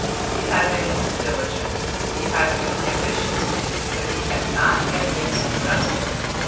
He had been diligent, he had been ambitious, but he had not yet been successful.